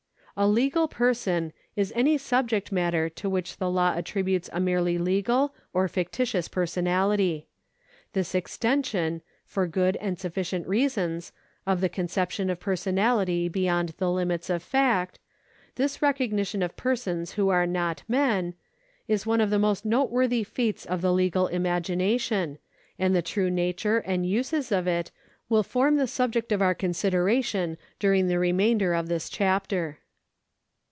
A legal person is any subject matter to which the law attributes a merely legal or fictitious personality. This ex tension, for good and sufficient reasons, of the conception of personality beyond the limits of fact — this recognition of persons who are not men — is one of the most noteworthy feats of the legal imagination, and the true natiu e and uses of it will form the subject of our consideration during the remainder of this chapter.